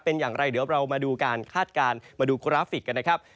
เป็นอย่างไรเดี๋ยวเรามาดูการคาดการณ์มาดูกราฟิกกันนะครับ